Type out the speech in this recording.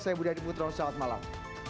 saya budi adi putra selamat malam